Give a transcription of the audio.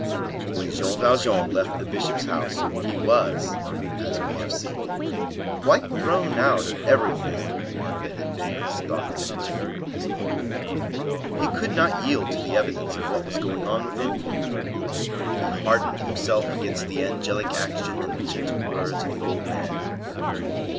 When Jean Valjean left the Bishop's house, he was, as we have seen, quite thrown out of everything that had been his thought hitherto. He could not yield to the evidence of what was going on within him. He hardened himself against the angelic action and the gentle words of the old man.